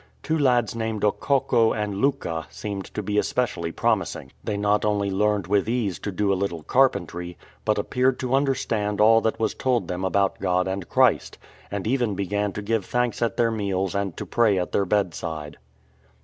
Two lads named Okokko and Lucca seemed to be especially promising. They not only learned with ease to do a little carpentry, but appeared to understand all that was told them about God and Christ, and even began to give thanks at their meals and to pray at their bedside.